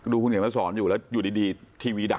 คุณเขียนมาสอนอยู่แล้วอยู่ดีทีวีดับ